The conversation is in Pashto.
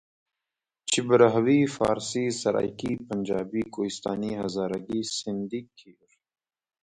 پښتو، بلوچي، براهوي، فارسي، سرایکي، پنجابي، کوهستاني، هزارګي، سندهي..ویل کېژي.